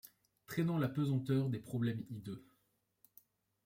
Traînant la pesanteur des problèmes hideux